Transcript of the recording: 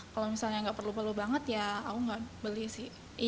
kalau misalnya nggak perlu perlu banget ya aku nggak beli sih